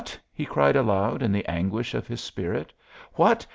he cried aloud in the anguish of his spirit, "what!